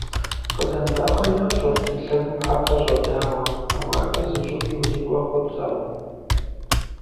Хъыдан вакъэ ящӀырт, и лъэгум хьэфэ щӀэдауэ, ауэ абы зыщӀыпӀи урикӀуэ хъуртэкъым.